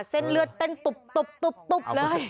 เส้นเลือดเต้นตุ๊บเลย